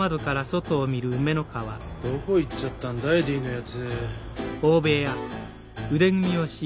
どこ行っちゃったんだエディのやつ。